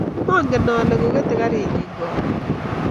Maangen ale ko ketei karinyi karon